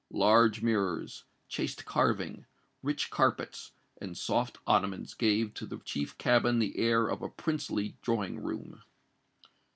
Large mirrors, chaste carving, rich carpets, and soft ottomans gave to the chief cabin the air of a princely drawing room.